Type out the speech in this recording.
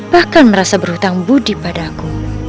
bahkan merasa berhutang budi padaku